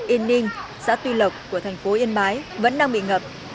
yên ninh xã tuy lộc của thành phố yên bái vẫn đang bị ngập